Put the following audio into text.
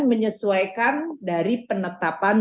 menyesuaikan dari penetapan